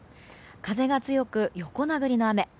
風が強く、横殴りの雨。